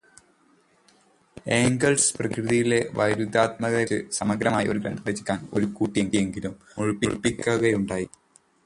Engels പ്രകൃതിയിലെ വൈരുധ്യാത്മകതയെക്കുറിച്ച് സമഗ്രമായി ഒരു ഗ്രന്ഥം രചിക്കാൻ ഒരുക്കൂട്ടിയെങ്കിലും മുഴുമിപ്പിക്കുകയുണ്ടായില്ല.